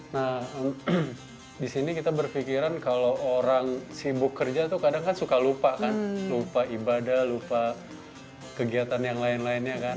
nah di sini kita berpikiran kalau orang sibuk kerja tuh kadang kan suka lupa kan lupa ibadah lupa kegiatan yang lain lainnya kan